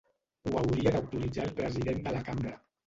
Ho hauria d’autoritzar el president de la cambra.